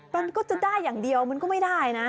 มันก็จะได้อย่างเดียวมันก็ไม่ได้นะ